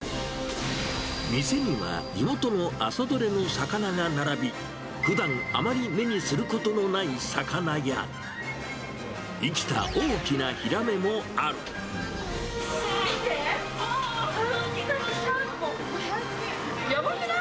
店には地元の朝取れの魚が並び、ふだんあまり目にすることのない魚や、生きた大きなヒラメも見て！